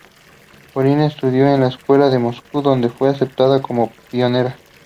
Polina estudió en la escuela de Moscú, donde fue aceptada como pionera.